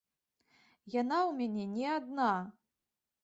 Яна ў мяне не адна!